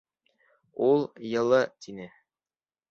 Ул, йылы, тине.